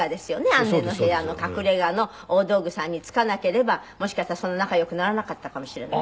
アンネの部屋の隠れ家の大道具さんにつかなければもしかしたらそんな仲良くならなかったかもしれない。